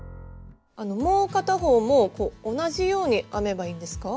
もう片方も同じように編めばいいんですか？